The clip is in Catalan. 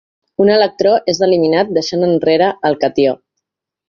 Un electró és eliminat deixant enrere el catió.